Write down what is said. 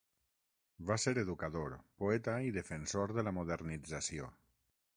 Va ser educador, poeta i defensor de la modernització.